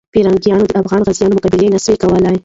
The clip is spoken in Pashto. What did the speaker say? پرنګیانو د افغان غازیانو مقابله نسو کولای.